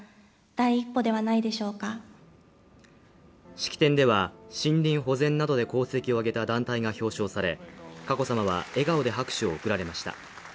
式典では、森林保全などで功績を挙げた団体が表彰され佳子さまは笑顔で拍手を送られました。